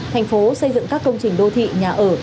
thành phố xây dựng các công trình đô thị nhà ở